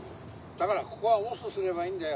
だからここは押忍すればいいんだよ。